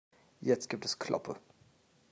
Jetzt gibt es Kloppe.